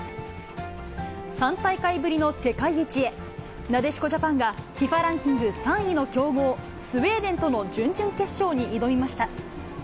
３大会ぶりの世界一へ、なでしこジャパンがＦＩＦＡランキング３位の強豪、スウェーデンとの準々決勝に挑みました。